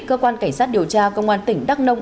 cơ quan cảnh sát điều tra công an tỉnh đắk nông